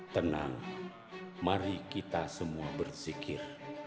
tenang mari kita semua bersikir